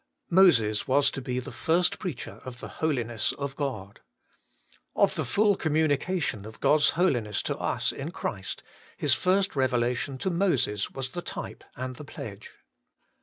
Moses was to be the first preacher of the Holi ness of God. Of the full communication of God's Holiness to us in Christ, His first revelation to Moses was the type and the pledge.